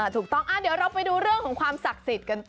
ถูกต้องเดี๋ยวเราไปดูเรื่องของความศักดิ์สิทธิ์กันต่อ